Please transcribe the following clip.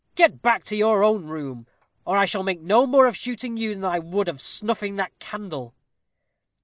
Get back to your own room, or I shall make no more of shooting you than I would of snuffing that candle."